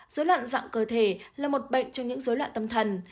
dối loạn dạng cơ thể là một bệnh trong những dối loạn tâm thần